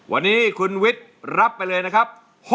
วันนี้คุณวิทย์รับไปเลยนะครับ